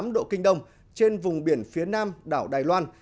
một trăm hai mươi tám độ kinh đông trên vùng biển phía nam đảo đài loan